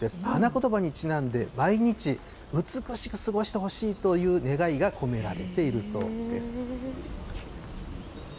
花言葉にちなんで、毎日美しく過ごしてほしいという願いが込められているそうです。